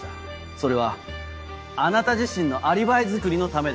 それはあなた自身のアリバイづくりのためです。